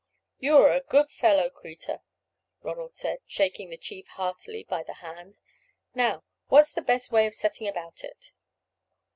"You are a good fellow, Kreta," Ronald said, shaking the chief heartily by the hand. "Now, what's the best way of setting about it?"